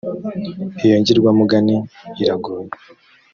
iyo ngirwamugani iragoye.